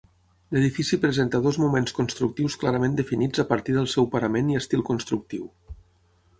L'edifici presenta dos moments constructius clarament definits a partir del seu parament i estil constructiu.